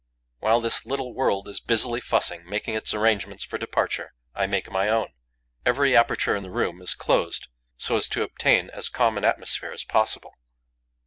While this little world is busily fussing, making its arrangements for departure, I make my own. Every aperture in the room is closed, so as to obtain as calm an atmosphere as possible.